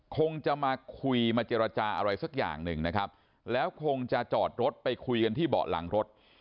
คงจะมาคุยมาเจรจาอะไรสักอย่างหนึ่งนะครับแล้วคงจะจอดรถไปคุยกันที่เบาะหลังรถ